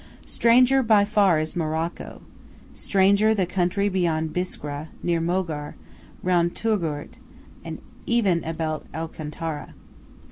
Stranger by far is Morocco, stranger the country beyond Biskra, near Mogar, round Touggourt, even about El Kantara.